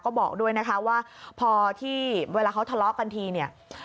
ก็บอกด้วยนะคะว่าพอที่เวลาเขาทะเลาะกันทีเนี่ย